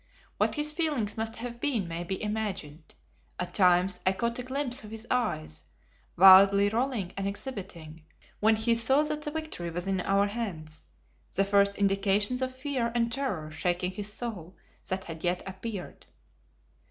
What his feeling must have been may be imagined. At times, I caught a glimpse of his eyes, wildly rolling and exhibiting, when he saw that the victory was in our hands, the first indications of fear and terror shaking his soul that had yet appeared.